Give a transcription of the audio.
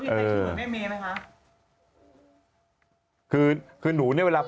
พี่มะลิคือเหมือนแม่เม่ไหมคะ